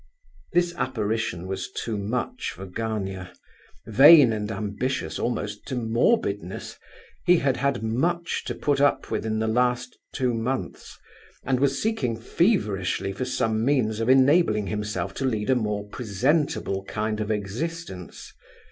This apparition was too much for Gania. Vain and ambitious almost to morbidness, he had had much to put up with in the last two months, and was seeking feverishly for some means of enabling himself to lead a more presentable kind of existence.